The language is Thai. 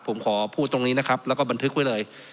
ผมขอพูดตรงนี้นะครับแล้วก็บันทึกไว้เลย